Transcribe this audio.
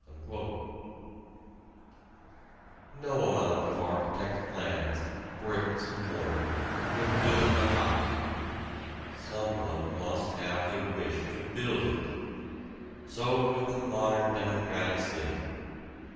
"_ No amount of architect's plans, bricks and mortar will build a house. Someone must have the wish to build it. So with the modern democratic state.